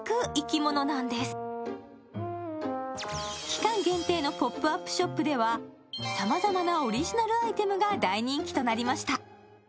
期間限定のポップアップショップではさまざまなオリジナルアイテムが大人気となりました。